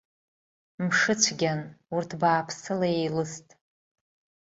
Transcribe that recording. Мшыцәгьан, урҭ бааԥсыла еилыст.